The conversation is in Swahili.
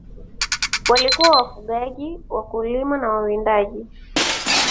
Walikuwa wafugaji, wakulima na wawindaji.